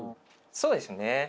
そうですね。